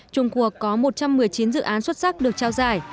trung cuộc có một trăm một mươi chín dự án xuất sắc được trao giải